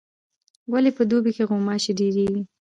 ولي په دوبي کي غوماشي ډیریږي؟